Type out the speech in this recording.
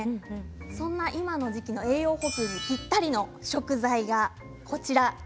そんな今の時期の栄養補給にぴったりの食材がこちら。